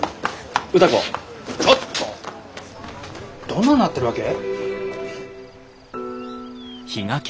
どんななってるわけ？